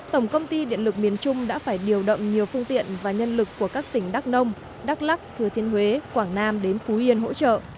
tổng công ty điện lực miền trung đã phải điều động nhiều phương tiện và nhân lực của các tỉnh đắk nông đắk lắc thừa thiên huế quảng nam đến phú yên hỗ trợ